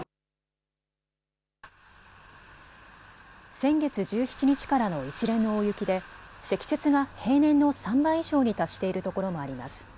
先月１７日からの一連の大雪で積雪が平年の３倍以上に達しているところもあります。